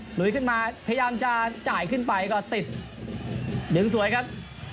หลุยขึ้นมาพยายามจะจ่ายขึ้นไปก็ติดดึงสวยครับ